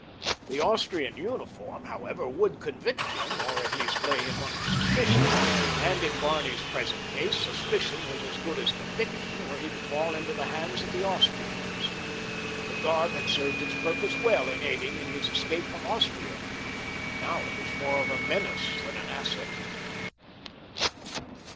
The Austrian uniform, however, would convict him, or at least lay him under suspicion, and in Barney's present case, suspicion was as good as conviction were he to fall into the hands of the Austrians. The garb had served its purpose well in aiding in his escape from Austria, but now it was more of a menace than an asset.